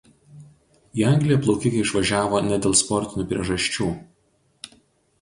Į Angliją plaukikė išvažiavo ne dėl sportinių priežasčių.